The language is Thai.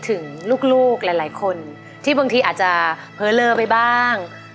ถึงลูกหลายคนที่บางทีอาจจะเผลอเลอไปบ้าง